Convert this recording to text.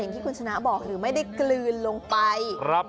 ที่คุณชนะบอกหรือไม่ได้กลืนลงไป